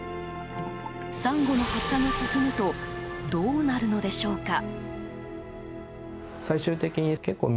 サンゴの白化が進むとどうなるのでしょうか。